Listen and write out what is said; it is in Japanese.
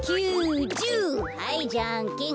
はいじゃんけん。